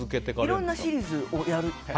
いろんなシリーズを。